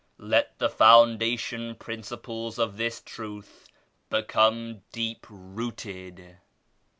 Let the foundation principles of this Truth become deep rooted.